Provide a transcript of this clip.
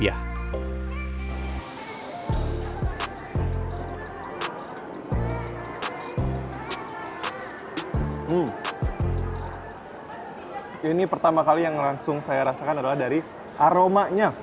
hmm ini pertama kali yang langsung saya rasakan adalah dari aromanya